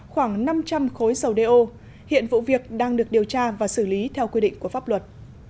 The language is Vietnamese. khoảng năm trăm linh khối dầu đeo hiện vụ việc đang được điều tra và xử lý theo quy định của pháp luật